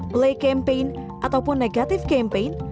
black campaign ataupun negatif campaign